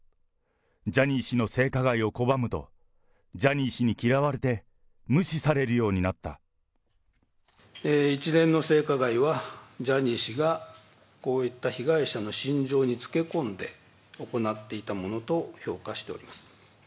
ジャニー氏の性加害を拒むと、ジャニー氏に嫌われて無視されるよ一連の性加害は、ジャニー氏がこういった被害者の心情につけ込んで行っていたものと評価しております。